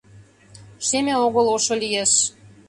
Шеме огыл, ошо лиеш.